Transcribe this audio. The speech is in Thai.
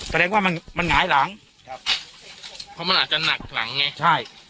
แสดงว่ามันมันหงายหลังครับเพราะมันอาจจะหนักหลังไงใช่